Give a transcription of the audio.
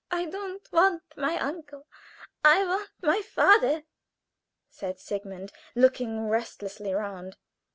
"I don't want my uncle. I want my father!" said Sigmund, looking restlessly round.